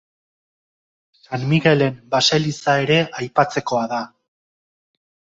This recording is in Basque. San Migelen baseliza ere aipatzekoa da.